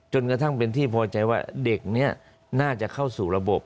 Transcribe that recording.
จนกระทั่งเป็นที่พอใจว่าเด็กนี้น่าจะเข้าสู่ระบบ